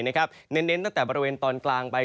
เน้นตั้งแต่บริเวณตอนกลางไป